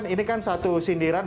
ini kan satu sindiran